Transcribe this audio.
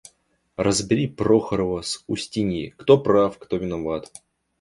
– Разбери Прохорова с Устиньей, кто прав, кто виноват.